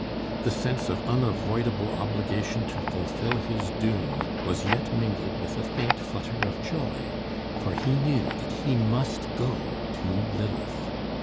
The sense of unavoidable obligation to fulfil his doom, was yet mingled with a faint flutter of joy, for he knew that he must go to Lilith.